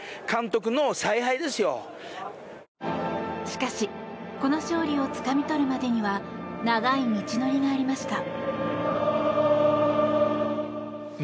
しかしこの勝利をつかみ取るまでには長い道のりがありました。